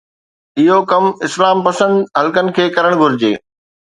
اهو ڪم اسلام پسند حلقن کي ڪرڻ گهرجي.